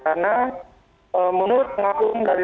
karena menurut pengakuan dari